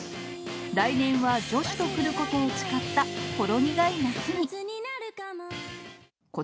来年は女子と来ることを誓ったほろ苦い夏に。